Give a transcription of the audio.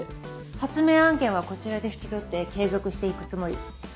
発明案件はこちらで引き取って継続していくつもり。